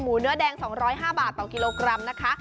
เนื้อแดง๒๐๕บาทต่อกิโลกรัมนะคะ